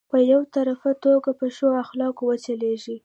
په يو طرفه توګه په ښو اخلاقو وچلېږي.